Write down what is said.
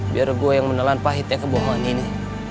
biar gue yang menelan pahitnya kebohongan ini